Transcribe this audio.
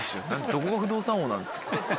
どこが不動産王なんですか。